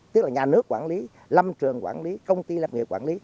tức là nhà nước quản lý lâm trường quản lý công ty lập nghiệp quản lý